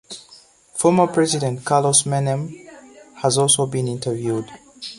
Former President Carlos Menem has also been interviewed.